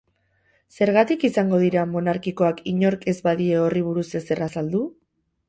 Zergatik izango dira monarkikoak inork ez badie horri buruz ezer azaldu?